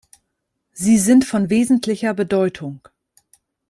Sie sind von wesentlicher Bedeutung.